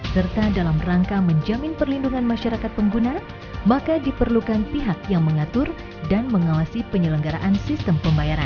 serta dalam rangka menjamin perlindungan masyarakat pengguna maka diperlukan pihak yang mengatur dan mengawasi penyelenggaraan sistem pembayaran